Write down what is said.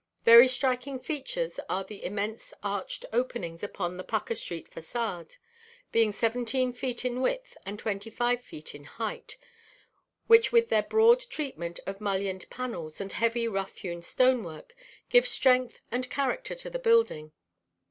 Very striking features are the immense arched openings upon the Paca street façade, being seventeen feet in width and twenty five feet in height, which with their broad treatment of mullioned panels and heavy rough hewn stonework, give strength and character to the building.